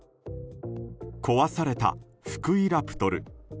壊されたフクイラプトル。